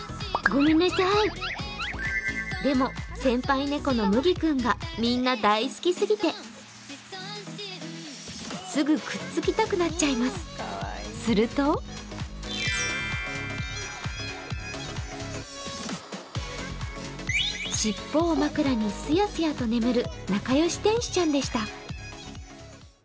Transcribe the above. でも先輩猫のむぎくんがみんな大好きすぎてすぐくっつきたくなっちゃいますすると尻尾を枕にすやすやと眠る仲良し天使ちゃんでした。